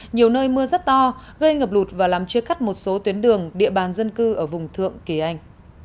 nhiều nơi mưa rất to gây ngập lụt và làm chia cắt một số tuyến đường địa bàn dân cư ở vùng thượng kỳ anh